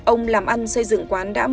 ông làm ăn xây dựng quán đã một mươi năm